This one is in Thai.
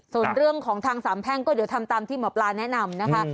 ส่วนเรื่องของทางสามแพ่งก็เดี๋ยวทำตามที่หมอปลาแนะนำนะคะ